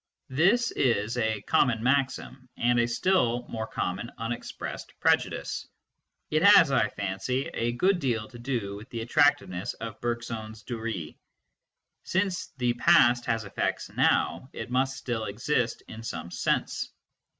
j This is a common maxim, and a still more common unex pressed prejudice. It has, I fancy, a good deal to do with the attractiveness of Bergson s " duree ": since the past has effects now, it must still exist in some sense.